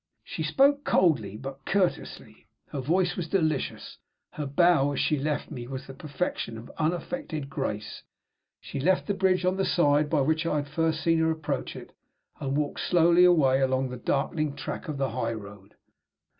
She spoke coldly, but courteously. Her voice was delicious; her bow, as she left me, was the perfection of unaffected grace. She left the bridge on the side by which I had first seen her approach it, and walked slowly away along the darkening track of the highroad.